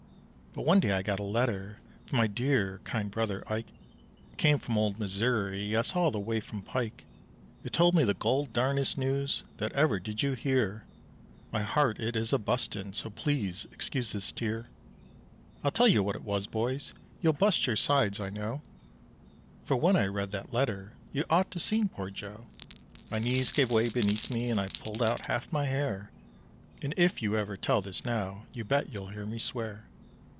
But one day I got a letter From my dear, kind brother Ike; It came from old Missouri, Yes, all the way from Pike. It told me the goldarndest news That ever you did hear, My heart it is a bustin' So please excuse this tear. I'll tell you what it was, boys, You'll bust your sides I know; For when I read that letter You ought to seen poor Joe. My knees gave 'way beneath me, And I pulled out half my hair; And if you ever tell this now, You bet you'll hear me swear.